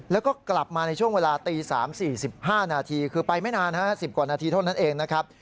แล้วก็กลับมาในช่วงเวลาตี๓๔๕นาทีคือไปไม่นาน๑๐กว่านาทีเท่านั้นเองนะครับ